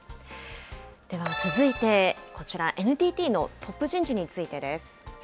では続いて、こちら、ＮＴＴのトップ人事についてです。